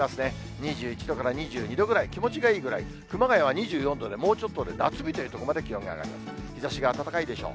２１度から２２度くらい、気持ちがいいぐらい、熊谷は２４度で、もうちょっとで夏日というところまで気温が上がります、日ざしが暖かいでしょう。